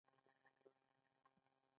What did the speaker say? ډیجیټل انډیا یو لوی پروګرام دی.